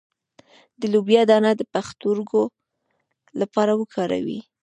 د لوبیا دانه د پښتورګو لپاره وکاروئ